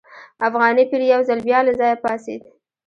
افغاني پیر یو ځل بیا له ځایه پاڅېد.